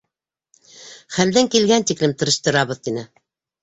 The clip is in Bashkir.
Хәлдән килгән тиклем тырыштырабыҙ, — тине.